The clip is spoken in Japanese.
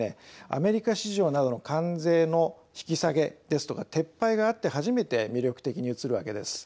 アメリカ市場などの関税の引き下げですとか撤廃があって初めて魅力的に映るわけです。